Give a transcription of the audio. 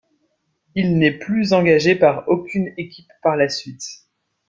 Il n'est plus engagé par aucune équipe par la suite.